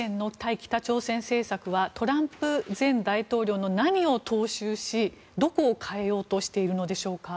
北朝鮮政策はトランプ前大統領の何を踏襲しどこを変えようとしているのでしょうか？